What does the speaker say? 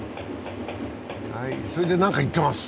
牽制球、それで何か言ってます。